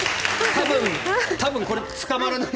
多分これでは捕まらない。